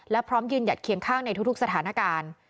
และพร้อมยืนหยัดเคียงข้างในทุกสถานการณ์